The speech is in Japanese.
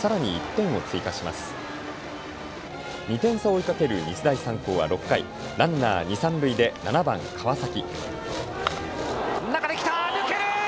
２点差を追いかける日大三高は６回、ランナー二三塁で７番・川崎。